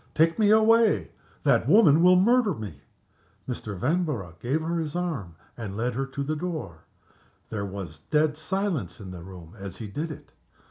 "Take me away! That woman will murder me!" Mr. Vanborough gave her his arm and led her to the door. There was dead silence in the room as he did it.